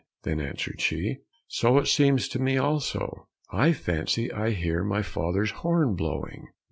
Then answered she, "So it seems to me also; I fancy I hear my father's horn blowing."